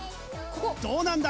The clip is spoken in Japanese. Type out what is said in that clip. どうなんだ？